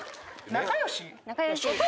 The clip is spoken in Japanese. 仲良し。